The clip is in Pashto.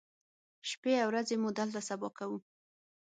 شپې او ورځې مو دلته سبا کوو.